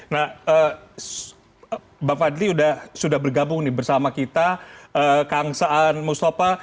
nah pak fadli sudah bergabung bersama kita kang saan mustafa